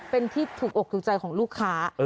เป็นที่ถูกอกถูกใจของลูกค้า